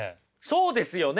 そうですよね。